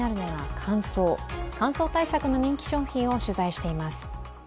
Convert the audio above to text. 乾燥対策の人気商品を取材しています。